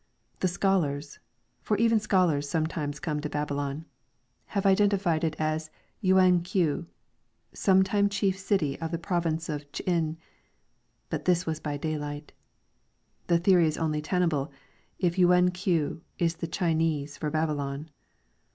The scholars for even scholars sometimes come to Babylon have identified it as Yuen K'ew, some time chief city of the province of Ch'in, but this was by daylight; the theory is only tenable if Yuen K'ew is the Chinese for Babylon.